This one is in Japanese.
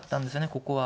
ここは。